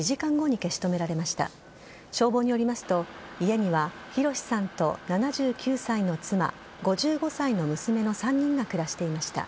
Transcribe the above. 消防によりますと家には、弘さんと７９歳の妻５５歳の娘の３人が暮らしていました。